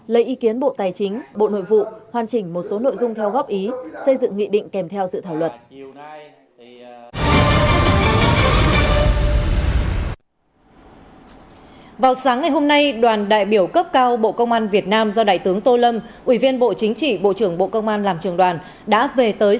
lấy ý kiến bộ tài chính bộ nội vụ hoàn chỉnh một số nội dung theo góp ý xây dựng nghị định kèm theo dự thảo luật